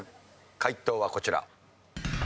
解答はこちら。